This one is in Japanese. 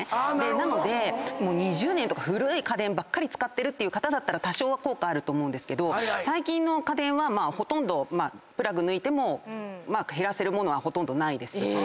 なので２０年とか古い家電ばかり使ってる方なら多少は効果あると思うんですけど最近の家電はプラグ抜いても減らせるものはほとんどないです。